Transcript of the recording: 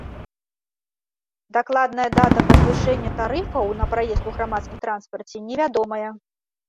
Дакладная дата падвышэння тарыфаў на праезд у грамадскім транспарце невядомая.